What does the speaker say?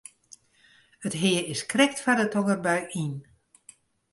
It hea is krekt foar de tongerbui yn.